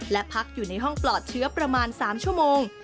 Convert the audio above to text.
และพักอยู่ในห้องปลอดเชื้อประมาณ๓ชั่วโมง